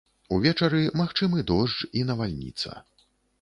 Увечары магчымы дождж і навальніца.